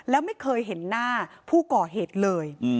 แล้วไม่เคยเห็นหน้าผู้ก่อเหตุเลย